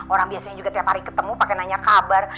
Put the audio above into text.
orang biasanya juga tiap hari ketemu pakai nanya kabar